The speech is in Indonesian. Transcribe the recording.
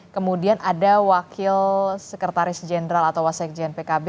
kemudian ada wakil sekretaris jenderal atau wasekjen pkb